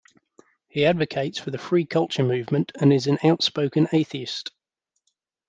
He advocates for the Free culture movement and is an outspoken atheist.